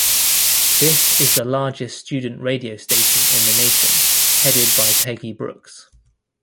This is the largest student radio station in the nation-headed by Peggy Brooks.